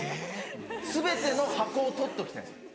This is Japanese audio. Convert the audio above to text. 全ての箱を取っときたいんです。